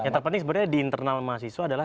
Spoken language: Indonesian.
yang terpenting sebenarnya di internal mahasiswa adalah